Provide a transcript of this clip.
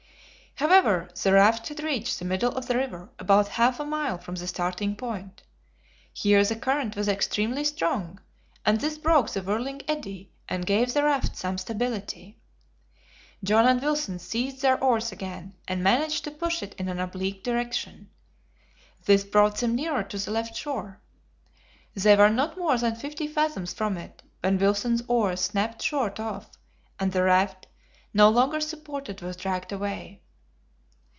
However, the raft had reached the middle of the river, about half a mile from the starting point. Here the current was extremely strong, and this broke the whirling eddy, and gave the raft some stability. John and Wilson seized their oars again, and managed to push it in an oblique direction. This brought them nearer to the left shore. They were not more than fifty fathoms from it, when Wilson's oar snapped short off, and the raft, no longer supported, was dragged away.